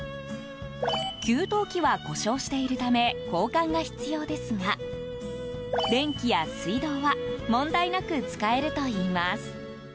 給湯器は故障しているため交換が必要ですが電気や水道は問題なく使えるといいます。